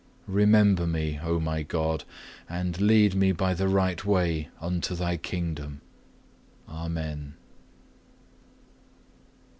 Remember me, O my God, and lead me by the right way unto Thy Kingdom. Amen.